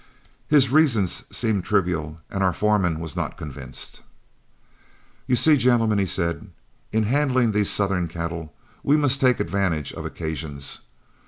His reasons seemed trivial and our foreman was not convinced. "You see, gentlemen," he said, "in handling these southern cattle, we must take advantage of occasions.